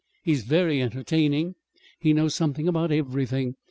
He's very entertaining. He knows something about everything.